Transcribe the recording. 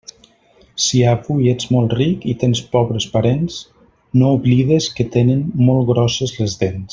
Si avui ets molt ric i tens pobres parents, no oblides que tenen molt grosses les dents.